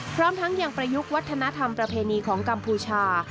พร้อมทั้งยังประยุกต์วัฒนธรรมประเพณีของกัมพูชา